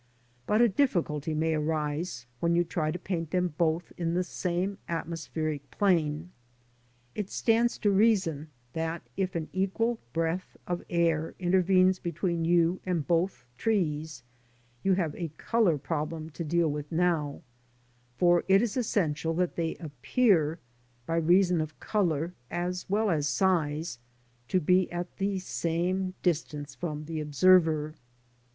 But a difficulty may arise when you try to paint them both in the same atmospheric plane. It stands to reason that, if an equal breadth of air intervenes between you and both trees, you have a colour problem to deal with now, for it is essential that they appear by reason of colour as well as size to be at the same distance from the observer.